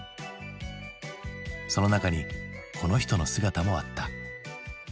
その中にこの人の姿もあった。